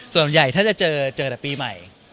ส่วนใหญ่ถ้าจะเจอแต่ปีใหม่